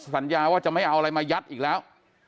สัญญาว่าจะไม่เอาอะไรมายัดอีกแล้ว